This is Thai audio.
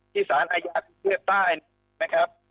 ที่สารอายาภิเวษใต้นะครับ